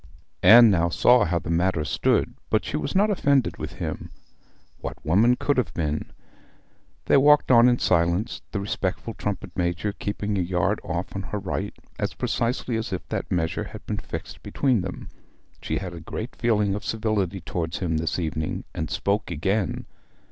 Anne now saw how the matter stood; but she was not offended with him. What woman could have been? They walked on in silence, the respectful trumpet major keeping a yard off on her right as precisely as if that measure had been fixed between them. She had a great feeling of civility toward him this evening, and spoke again.